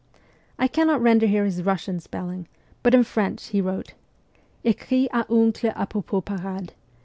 I cannot render here his Russian spelling, but in French he wrote, 'Ecri a oncle a propos parade